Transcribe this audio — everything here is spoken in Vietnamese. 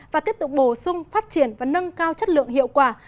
và tiếp tục bổ sung phát triển và nâng cao chất lượng hiệu quả